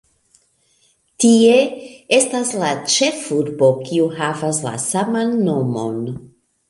Tie estas la ĉefurbo, kiu havas la saman nomon.